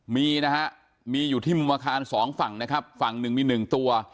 มีนะฮะมีอยู่ที่มุมอาคารสองฝั่งนะครับฝั่งหนึ่งมีหนึ่งตัว